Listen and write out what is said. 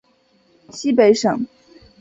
西北省